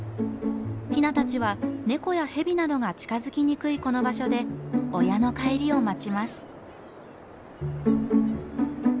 ヒナたちは猫や蛇などが近づきにくいこの場所で親の帰りを待ちます。